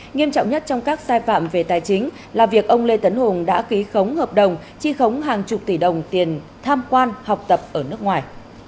nghiêm trọng nhất trong các sai phạm về tài chính là việc ông lê tấn hùng đã ký khống hợp đồng chi khống hàng chục tỷ đồng tiền tham quan học tập ở nước ngoài